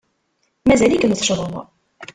Mazal-ikem teccḍed.